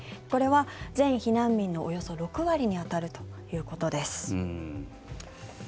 これは全避難民のおよそ６割に当たるということです。